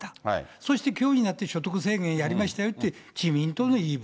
そしてきょうになって、所得制限やりましたよって、自民党の言い分。